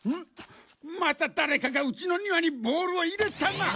また誰かがうちの庭にボールを入れたな！